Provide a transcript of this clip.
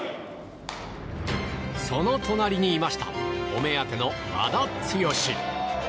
その隣にいましたお目当ての和田毅。